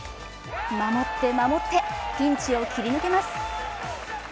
守って守って、ピンチを切り抜けます。